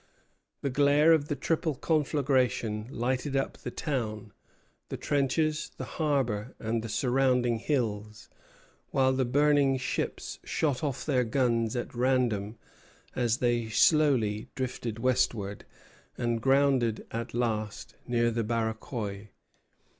The glare of the triple conflagration lighted up the town, the trenches, the harbor, and the surrounding hills, while the burning ships shot off their guns at random as they slowly drifted westward, and grounded at last near the Barachois.